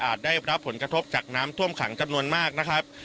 ได้รับผลกระทบจากน้ำท่วมขังจำนวนมากนะครับ